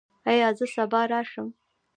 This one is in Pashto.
ایا زه سبا راشم؟